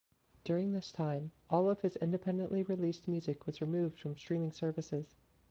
During this time all of his independently released music was removed from streaming services.